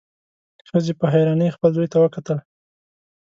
ښځې په حيرانۍ خپل زوی ته وکتل.